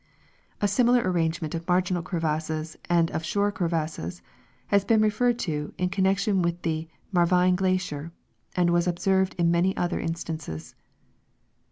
A simi lar arrangenuMit of marginal crevassi>s and ol' shore t'revasses has been referred to in connection with the Marvine glacier, and was observed in many other instances.